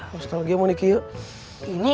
nostalgia mau nikih yuk